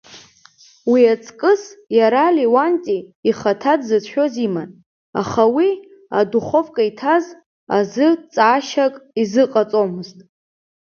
Уи иаҵкыс, иара, Леуанти, ихаҭа дзыцәшәоз иман, аха уи, адуховка иҭаз, азы ҵаашьак изыҟаҵомызт.